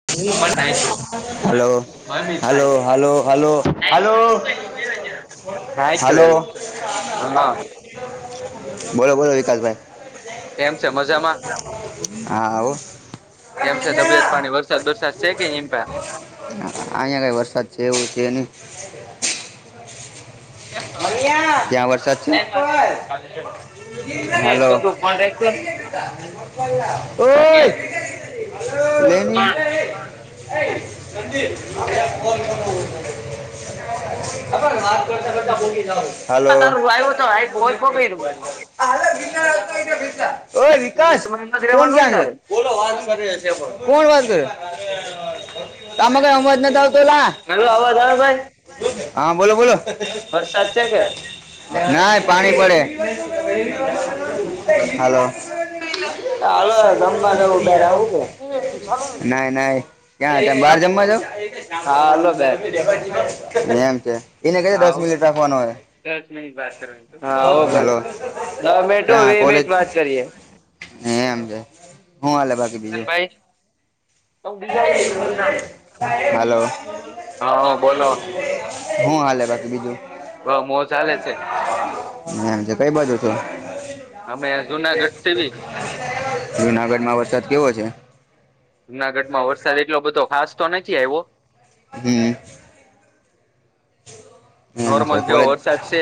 હું hello hello મનાય hello hello hello છૂ હલો [unintelligible] [inaudible] બોલો બોલો વિકાસભાઈ? કેમ છે મજામાં? હા આવ કેમ છે [unintelligible] તબિયત પાણી વરસાદ બરસાદ શેકેે હીપા? અહિયાં કઈ વરસાદ છે, એવું છે, ની [inaudible] ત્યા વરસાદ છે? હાલો ઓય [inaudible] [inaudible] હાલો. [inaudible] [inaudible] હેલો આવાજ ભાઈ? હા બોલો બોલો વરસાદ. છે, કે ના પાણી પડે હાલો. [inaudible] કે ના ના ક્યાં હા બહાર જમવા જાવો? હાલો બેર એમ છે એને કે હા દસ આવું. મિનિટ રાખવાનો હોય. દસ મિનિટ વાત કરવા હા હલો દસ મિનટ વીસ મિનિટ વાત કરીએ. એ એમ છે હું હાલે બાકી બીજું? ભાઈ હલો. હા બોલો? હું હાલે બાકી બીજું? બ મોજ હાલે છે. એમ છે કઈ બાજુ છો? અમે જુનાગઢ થી જુનાગઢમાં વરસાદ કેવો છે? જુનાગઢ માં વરસાદ એટલો બધો ખાસ તો નથી આવ્યો. હમ. એમ છે નોર્મલ જેવો કોલેજ વરસાદ છે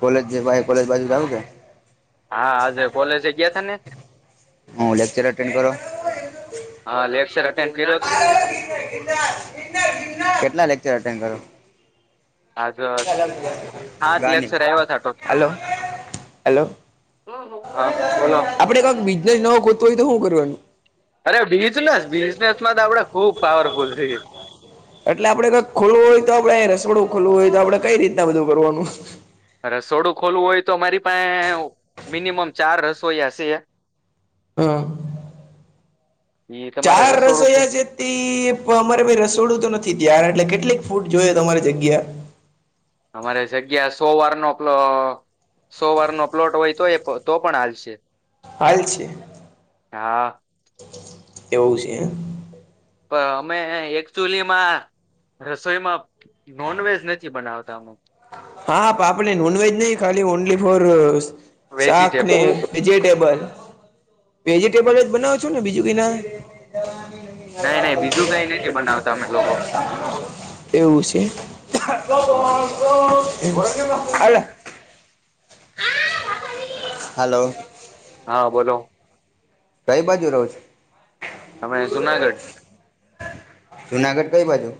કોલેજ જે કોલેજ બાજુ જવુ છે? હા આજે કોલેજ ગયા તાને? હા, લેક્ચર અટેન્ડ કરો. હા લેક્ચર અટેન્ડ કર્યો [unintelligible] કેટલા લેક્ચર અટેન્ડ કરો? આજ સાત લેક્ચર આવ્યા હતા ટોટલ હલો. હેલો હા બોલો આપડે કઈક બિઝનેસ નવો ગોતો હોય તો શું કરવાનું? અરે બિઝનેસ બિઝનેસ માં તો આપડે ખુબ પાવરફુલ છે. એટલે આપડે કાક ખુલ્લું હોય તો આપણે રસોડું ખુલ્લું હોય તો આપણે કઈ રીતના બધું કરવાનું? રસોડું ખોલવું હોય તો મારી પાસે મિનિમમ ચાર રસોઈયા છે. હા ઈ તમારે ચાર રસોડું રસોઈયા છે. અમારે રસોડું તો નથી ત્યાર એટલે કેટલીક ફૂડ જોય તમારી જગ્યા? અમારે જગ્યા સો વાર નો પલો- - સો વારનો પ્લોટ હોય તો એ તો પણ હાલશે. હાલ શે હા એવું છે. પણ અમે એકચૂલીમાં. રસોઈમાં નોનવેજ નથી બનાવતા. હા આપડ નોનવેજ નહી ખાલી ઓનલી ફોર શાક ને વેજીટેબલ વેજીટેબલ જ બનાવ છો ને બીજું ક ના નહી નહી બીજું કઈ નથી બનાવતા અમે લોકો [inaudible] એવું છે. હલો. હા બોલો. કઈ બાજુ રહો [unintelligible] અમે જુનાગઢ. જુનાગઢ કઈ બાજુ.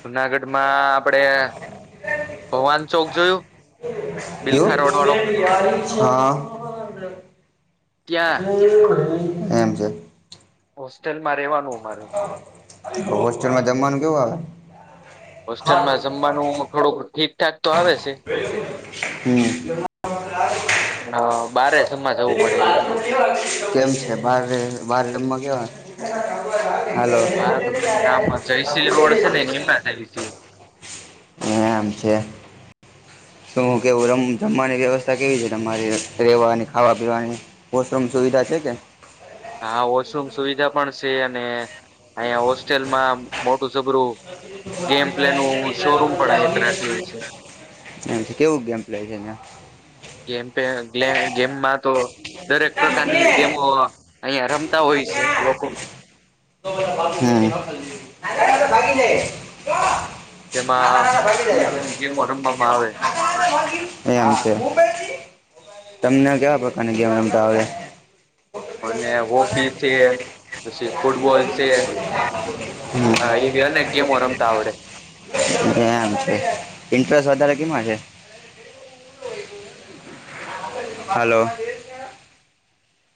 જુનાગઢમાં આપડે ભગવાન ચોક જોયું? એવું બિલખા રોડ વાળો હા. ત્યાં એમ છે. હોસ્ટેલમાં રહેવાનું અમારે. હોસ્ટેલમાં જમવાનું કેવું આવે? હોસ્ટેલમાં જમવાનું થોડુંક ઠીકઠાક તો આવે છે. હમ હા, બારે જમવા જવું પડે એવું. કેમ છે બારે બાર રમવા કેવા. હલો. બાર આમ જયશ્રી રોડ [unintelligible] એમ છે. શું હું કેવું રમ જમવાની વ્યવસ્થા કેવી છે તમારી રવાની ખાવા પીવાની. હોસ્ટલ સુવિધા છે કે. હા વોશરૂમ સુવિધા પણ છે અને અહીંયા હોસ્ટેલમાં મોટું સબરું પણ એક રાખેલું છે એમ કેવું ગેમ પલા છે. ગેમ ગેમમાં તો દરેક ત્યાં પ્રકારની ગેમો અહં રમતા હોય છે લોકો. હમ્મ. [inaudible] જેમાં અનેક અનેક ગેમો રમવામાં આવે એમ છે તમને કેવા પ્રકારની ગેમ રમતા આવડ અને હોકી છે. પછી ફૂટબોલ છે હમ હા એ બી અને ગેમો રમતા આવડે. એમ છે ઇન્ટરેસ્ટ વધારે કેમાં છે. હલો.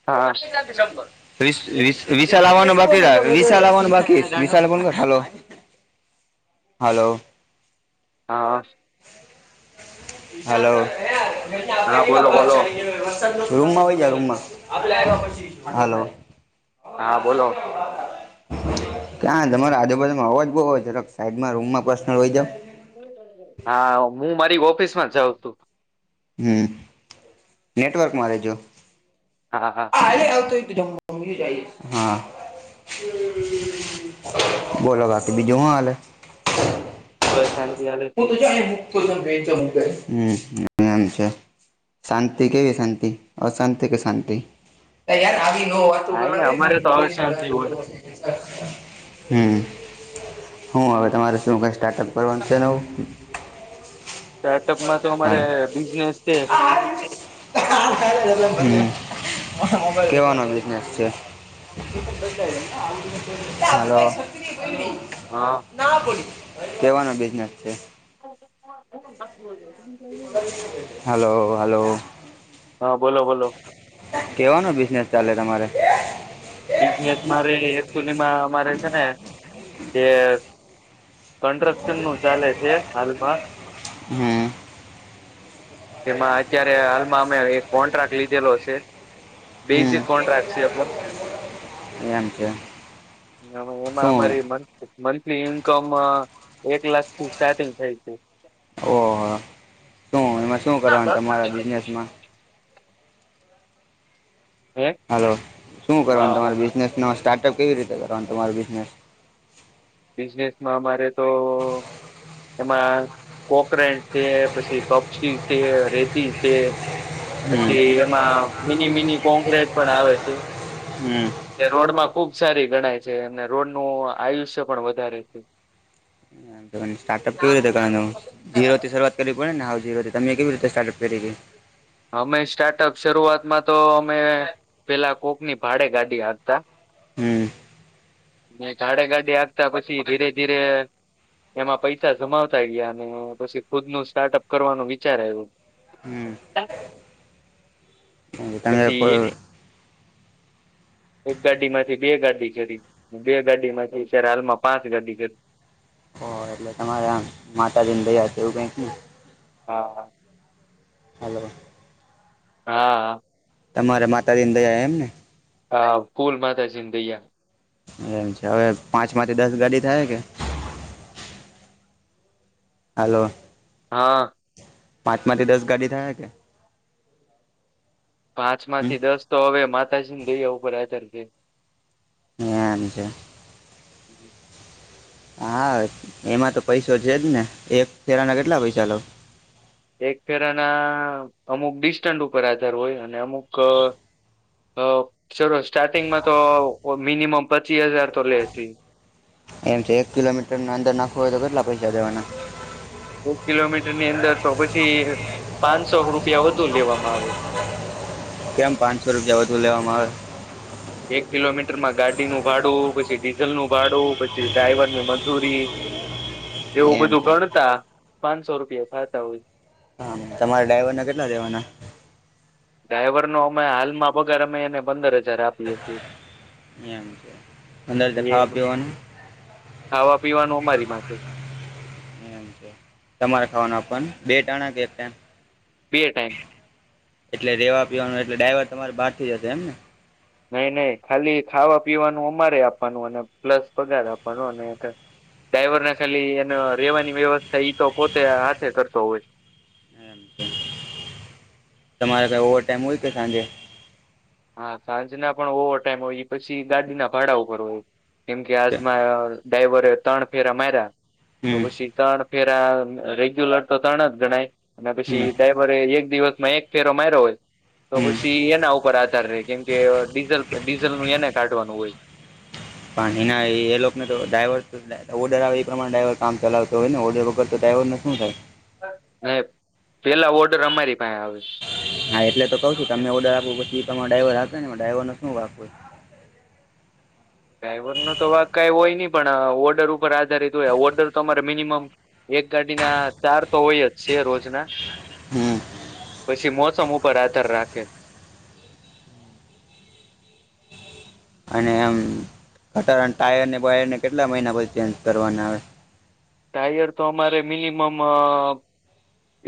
હા. વિશાલ આવવાનું બાકી વિશાલ આવવાનું બાકી વિશાલ કો હેલો. હલો. હા. હલો આપે હા બોલો કેવાર બોલો ચડીયો. [unintelligible] હાલો. હા બોલો. ક્યાં તમારા આજુબાજુમાં અવાજ બઉવ હોક સાઈડમાં રૂમમાં પર્નલ હોય જ. હા હું મારી ઓફિસ માં જાઉં તું. હમ્મ નેટવર્કમાં રહેેજો. હા હા. હા. બોલો બાકી બીજું હું હલે. બ શાંતિ. હાલે છે [unintelligible] શાંતિ કેવી શાંતિ અશાંતિ કે શાંતિ આવી હા ને અમારે તો હવે શાંતિ હોય [unintelligible] હમ હું હવે તમારે શું કઈ સ્ટાર્ટઅપ કરવાનું છે નું હમ [unintelligible] સ્ટાર્ટઅપ માં તો અમારે હાલો બિઝનેસ છે. હ કેવાનો બિઝનેસ છે. હાલો હા કેવાનો બિઝનેસ છે. બ બસ નો છે. હલો હલો હા બોલો બોલો કેવાનું બિઝનેસ ચાલે તમારે બિઝનેસ મારે એક ટુનમાં મામારે છે ને જે કન્સ્ટ્રક્શન નું ચાલે છે હાલમાં હમ જેમાં અત્યારે હાલમાં અમે એક કોન્ટ્રાક્ટ લીધેલો હ છે. બે હમ જે કોન્ટ્રાક્ટ છે. મ છે [unintelligible] એમાં શું અમારી મ મંથલી ઇન્કમ એક લાખ સંગ થાય છે. ઓહ શું એમાં શું કરવાનું તમારા બિઝનેસમાં હે હલો શું કરવાનું હા તમાર બિઝનેસ ન સ્ટાર્ટઅપ કેવી રીતે કરવાનું તમારું બિઝનેસ બિઝનેસમાં અમારે તો એમાં કોકરેન્ટ છે પછી કપચી છે રેતી છે હમ પછી એમાં મિની મિની કોક્રેટ પણ આવે છે. હમ તે રોડમાં ખુબ સારી ગણાય છે અને રોડનું આયુષ્ય પણ વધારે છે. સ્ટાર્ટઅપ કેવી કરવાનુ જીરોથી શરુઆત કરવી પડે ને હ જે તમે કેવી રીતે સ્ટારઅપ કર કે અમે સ્ટાર્ટઅપ શરૂઆતમાં તો અમે પેલાં કોકની ભાડે ગાડી હાંકતા હમ ને ગાડે ગાડીે આપતા પછી ધીરે ધીરે એમાં પૈસા જમાવતા ગયા અને પછી ખુદનું સ્ટાર્ટઅપ કરવાનું વિચાર આયવો. હમ. રાી [unintelligible] તમે પછી પર એક ગાડીમાંથી બે ગાડી કરી બે ગાડીમાંથી અત્યારે હાલમાં પાંચ ગાડી કરી. ઓ એટલે તમારે આમ માતાજી ની દયા છે એવું કાંઈ હા હા હલો હા તમારે માતાજીની દયા એમ ને હા ફૂલ માતાજી દયા એમ છે હવે પાંચ માંથી દસ ગાડી થાય કે હલો હા પાંચ માંથી દસ ગાડી થયા કે પાંચ હમ માંથી દસ તો હવે માતાજી ને દઈયા ઉપર અલગથી. એમ છે. હા એમાં તો પૈસો છે જ ને એક ફેરાના કેટલા પૈસા લઉ. એક ફેરાના અમુક ડિસ્ટન્સ ઉપર આધાર હોય અને અમુક. અ ચલો સ્ટાર્ટિંગમાં તો મિનિમમ પચીસ હજાર તો લે જ, એમ છે એક કિલોમીટર ન અંદર નાખો હોય તો કેટલા પૈસા દવાના. એક કિલોમીટર ની અંદર તો પછી પાંચસો રૂપિયા વધુ લેવામાં આવે. કેમ પાંચસો રૂપિયા વધુ લેવામાં આવે. એક કિલોમીટર માં ગાડીનું ભાડું પછી ડીઝલ નું ભાડું પછી ડ્રાઈવર ની મજૂરી, એવું એમ બધું છે ગણતા પાંચસો રૂપિયા ખાતા હોય. હા તમારા ડ્રાઈવરને કેટલા દેવાના. ડ્રાઈવર નો અમે હાલમાં પગાર અમે એને પંદર હજાર આપ. એમ છે અંદર દ ખાવા પીવાનું. ખાવા પીવાનું અમારી પાસે એમ છે તમારે ખાવાના આપ બે ટાણા કે એક ટેમ. બે ટાઈમ. એટલે રેવા પીવાનું એટલે ડાઈવર તમારે બહાર થી જશે એમ ને. નહી નહી ખાલી ખાવા પીવાનું અમારે આપવાનું અને પ્લસ પગાર આપવાનો અને [unintelligible] ડ્રાઈવરને ખાલી એનો રહેવાની વ્યવસ્થા એ તો પોતે હાથે કરતો હોય છે. તમારે કઈ ઓવર ટાઈમ હોય કે સાંજે. હા સાંજના પણ ઓવર ટાઈમ હોય એ પછી ગાડીના ભાડા ઉપર હોય કેમ કે આજમાં. ડ્રાયવરે ત્રણ ફેરા માર્યા તો હમ પછી. ત્રણ ફેરા રેગ્યુલર તો ત્રણ જ ગણાય અને પછી હમ ડા ઇવરે એક દિવસમાં એક ફેરો માર્યો હોય તો હમ પછી એના ઉપર આ કેમ કે ડીઝલ ડીઝલ નું એને કાઢવાનું હોય. પણ એના એ લોકોને તો ડ્રાઈવર ઓર્ડર આવે એ પ્રમાણે ડ્રાઈવર કામ ચલાવતો હોય ને ઓડર વગર તો ડ્રાઈવરને શું થાય. હ પહેલા ઓર્ડર અમારી પાહે આવે. હા એટલે તો કઉ છું તમે ઓર્ડર આપો પછી તમારો ડ્રાઈવર આપે ને ડ્રાઈવરને શું વાંક હોય. ડ્રાઈવરનો તો વાક કાંઈ હોય નહીં પણ ઓર્ડર ઉપર આધારિત હોય ઓર્ડર તો તમારે મિનિમમ એક ગાડી ના ચાર તો હોય જ છે રોજના. હમ. પછી મોસમ ઉપર આધાર રાખે. અને એમ કટર અને ટાયરને બાયરને કેટલા મહિના પછી ચેન્જ કરવાના આવે? ટાયર તો અમારે મિનિમમ.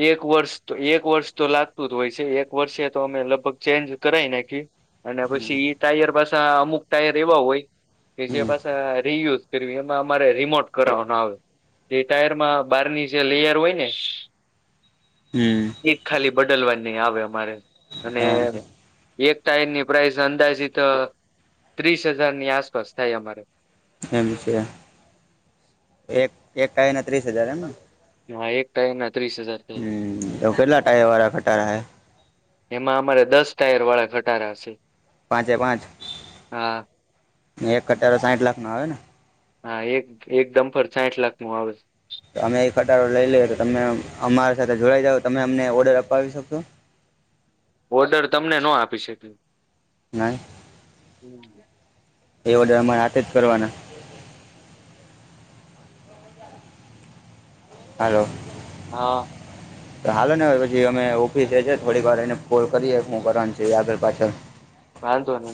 એક વર્ષ તો એક વર્ષ તો લાગતું જ હોય છે એક વર્ષે તો અમે લગભગ ચેન્જ કરાઈ નાખી. અને હમ પછી એ ટાયર પાછ અમુક ટાયર એવા હોય, કે જે હમ પાછા રી યુઝ ફરવી એમાં અમારે રિમોટ કરાવનો આવે, એ ટાયરમાં બારની જે લેયર હોય ને. હમ. એ ખાલી બદલવા ની આવે અમારે, અને એમ છે એક ટાયરની પ્રાઇસ અંદાજીિત ત્રીસ હજારની આસપાસ થાય અમારે. એમ છે, એક એક ટાયર ના ત્રીસ હજાર એમને. હા એક ટાયર ના ત્રીસ હજાર. થાય હમ તો કેટલા ટાયર વાળા ખટારા હે? એમાં અમારે દસ ટાયર વાળા ખટારા હશે. પાંચે પાંચ, હા એક ખટારો સાઠ લાખ નો આવે ને. હા એક એક ડમ્પરર સાઠ લાખ નો આવે. તો અમે એ કટડો લઈ લઈએ તો તમે અમારી સાથે જોડાઈ જાવ તમે અમને ઓર્ડર અપાવી શકશો? ઓર્ડર તમને નો આપી શક્યું. નહી હમ. તે બધા માં સાથે જ કરવાના. હલ્લો. હા. [inaudible] હાલો ને અવે પછી અમે ઓફિસે છે થોડીક વાર રહીને કોલ કરીએ હું કરવાની છે આગળ પાછળ. વાંધો નઇ.